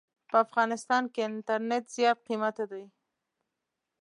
په افغانستان کې انټرنيټ زيات قيمته دي.